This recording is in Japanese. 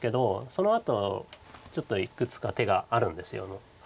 そのあとちょっといくつか手があるんです。